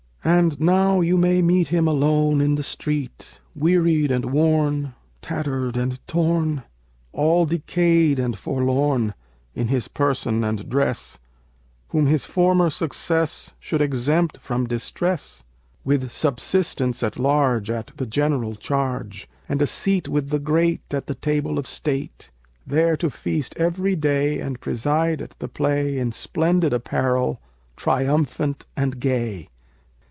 And now you may meet him alone in the street, Wearied and worn, tattered and torn, All decayed and forlorn, in his person and dress, Whom his former success should exempt from distress, With subsistence at large at the general charge, And a seat with the great at the table of State, There to feast every day and preside at the play In splendid apparel, triumphant and gay.